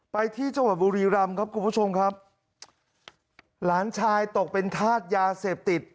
ไปที่จังหวัดบุรีรำครับคุณผู้ชมครับหลานชายตกเป็นธาตุยาเสพติด